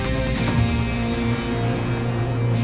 tongok aja sih ranya